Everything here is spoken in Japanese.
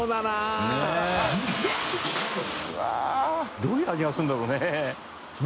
どういう味がするんだろうね？